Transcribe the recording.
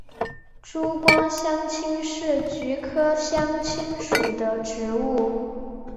珠光香青是菊科香青属的植物。